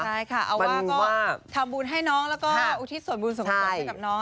ใช่ค่ะเอาว่าก็ทำบุญให้น้องแล้วก็อุทิศส่วนบุญส่งผลให้กับน้อง